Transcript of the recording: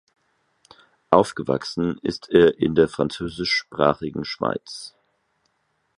Aufgewachsen ist er in der französischsprachigen Schweiz.